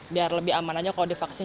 biar lebih aman aja kalau divaksin